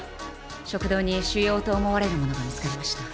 食道に腫瘍と思われるものが見つかりました。